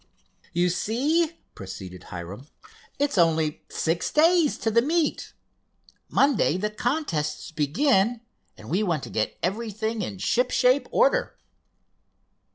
"You see," proceeded Hiram, "it's only six days to the meet. Monday the contests begin, and we want to get everything in ship shape order."